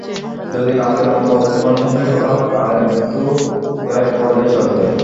যদি কালকের মত উপনিষদের কথা পাড়েন তো তাই পড়লেই চলবে।